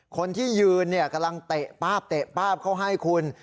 คนที่ยืนเนี่ยกำลังเตะป๊าบเตะป้าบเขาให้คุณ